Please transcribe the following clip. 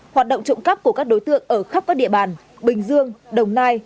hoạt động trộm cắp của các đối tượng ở khắp các địa bàn bình dương đồng nai